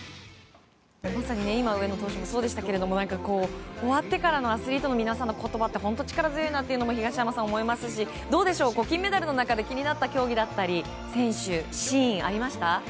まさに今の上野投手もそうでしたが終わってからのアスリートの皆さんの言葉って本当、力強いなっていうのも東山さん、思いますしどうでしょう、金メダルの中で気になった競技、選手、シーンありました？